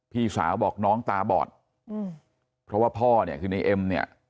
พี่สาวบอกน้องตาบอดเพราะว่าพ่อเนี่ยคือในเอ็มเนี่ย